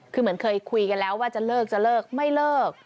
คือเหมือนเคยคุยกันแล้วว่าจะเลิกจะเลิกไม่เลิก